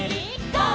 「ゴー！